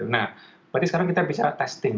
nah berarti sekarang kita bisa testing